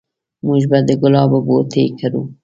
موږ به د ګلابو بوټي کرو